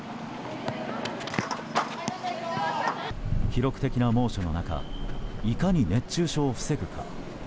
記録的な猛暑の中いかに熱中症を防ぐか。